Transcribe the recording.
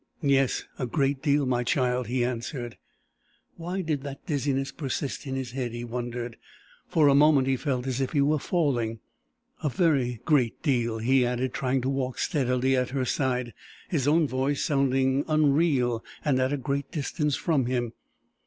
"Yes, a great deal, my child," he answered. Why did that dizziness persist in his head, he wondered? For a moment he felt as if he were falling. "A very great deal," he added, trying to walk steadily at her side, his own voice sounding unreal and at a great distance from him.